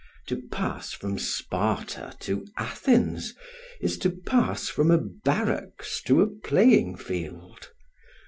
To pass from Sparta to Athens, is to pass from a barracks to a playing field.